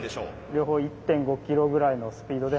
両方１．５キロぐらいのスピードで。